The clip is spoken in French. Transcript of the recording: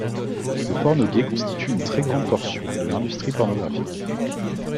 Le porno gay constitue une très grande portion de l'industrie pornographique.